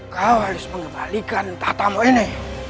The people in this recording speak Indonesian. kau harus mengembalikan tatamu ini